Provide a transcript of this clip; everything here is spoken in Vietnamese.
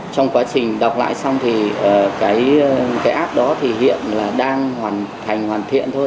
trong quá trình đọc lại xong thì cái app đó thì hiện là đang hoàn thành hoàn thiện thôi